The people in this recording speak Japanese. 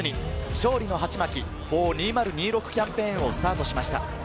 勝利のハチマキｆｏｒ２０２６」キャンペーンをスタートしました。